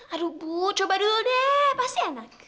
aduh bu coba dulu deh pasti enak